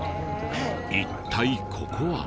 一体ここは。